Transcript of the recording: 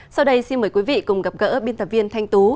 sau đây xin mời quý vị cùng gặp gỡ biên tập viên thanh tú